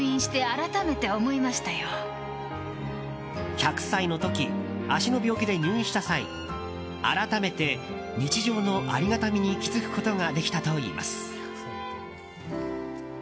１００歳の時、足の病気で入院した際改めて、日常のありがたみに気づくことができたといいます。